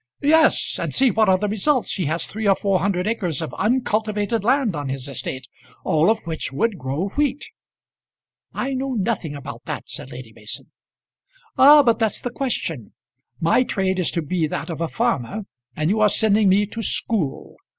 "Yes; and see what are the results! He has three or four hundred acres of uncultivated land on his estate, all of which would grow wheat." "I know nothing about that," said Lady Mason. "Ah, but that's the question. My trade is to be that of a farmer, and you are sending me to school.